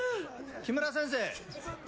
木村先生！